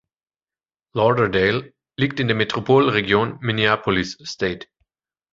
Lauderdale liegt in der Metropolregion Minneapolis-St.